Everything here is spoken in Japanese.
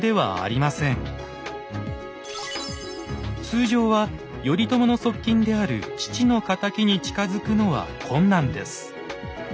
通常は頼朝の側近である父の敵に近づくのは困難です。